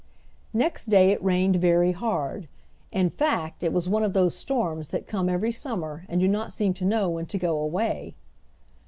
Next day it rained very hard in fact, it was one of those storms that come every summer and do not seem to know when to go away.